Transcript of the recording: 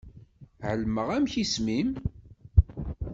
Ɛelmeɣ amek isem-im.